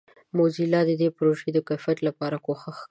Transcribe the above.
موزیلا د دې پروژې د کیفیت لپاره کوښښ کوي.